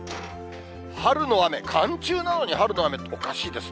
春の雨、寒中なのに春の雨っておかしいですね。